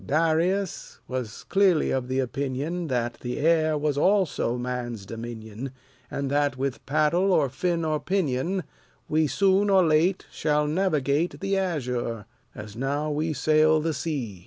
Darius was clearly of the opinion That the air is also man's dominion, And that, with paddle or fin or pinion, We soon or late shall navigate The azure, as now we sail the sea.